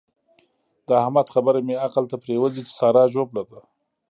د احمد خبره مې عقل ته پرېوزي چې سارا ژوبله ده.